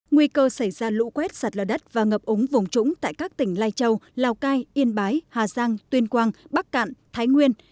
nguy cơ xảy ra lũ quét sạt lở đất và ngập úng vùng trũng tại các tỉnh lai châu lào cai yên bái hà giang tuyên quang bắc cạn thái nguyên